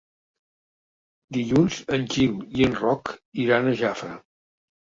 Dilluns en Gil i en Roc iran a Jafre.